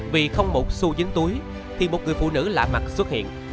vì không một xu dính túi thì một người phụ nữ lạ mặt xuất hiện